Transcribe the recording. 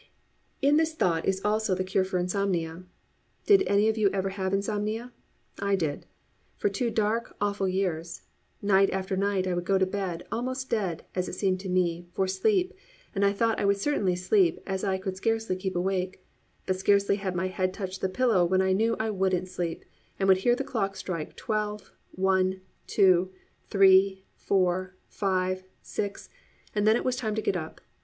In this thought is also the cure for insomnia. Did any of you ever have insomnia? I did. For two dark, awful years. Night after night, I would go to bed, almost dead, as it seemed to me, for sleep, and I thought I would certainly sleep as I could scarcely keep awake; but scarcely had my head touched the pillow when I knew I wouldn't sleep and I would hear the clock strike twelve, one, two, three, four, five, six, and then it was time to get up.